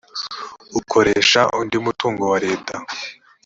ukoresha undi mutungo wa leta